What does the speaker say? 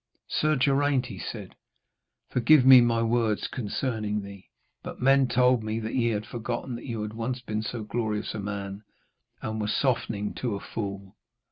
'Sir Geraint,' he said, 'forgive me my words concerning thee, but men told me that ye had forgotten that you had once been so glorious a man, and were softening to a fool.'